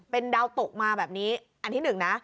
เป็นดาวตกมาแบบนี้อันที่หนึ่งนะ